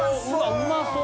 うまそう！